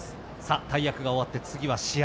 大役が終わって次は試合。